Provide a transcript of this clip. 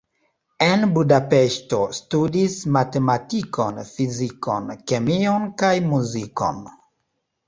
En Budapeŝto studis matematikon, fizikon, kemion kaj muzikon.